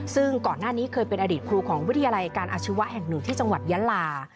ซึ่งก่อนหน้านี้เคยเป็นอดีตครูของวิทยาลัยการอาชีวะแห่งหนึ่งที่จังหวัดยะลา